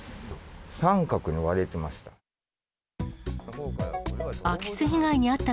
三角に割れてました。